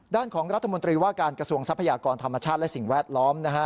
ด้านของรัฐมนตรีว่าการกระทรวงทรัพยากรธรรมชาติและสิ่งแวดล้อมนะฮะ